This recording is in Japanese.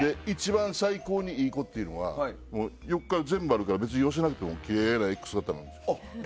一番最高にいい子っていうのは、もう横から全部あるから別に寄せなくてもきれいなＸ型なんです。